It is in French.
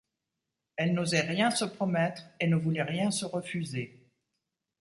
Elle n’osait rien se promettre, et ne voulait rien se refuser.